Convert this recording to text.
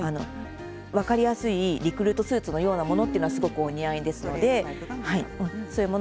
分かりやすいリクルートスーツのようなものはすごくお似合いです。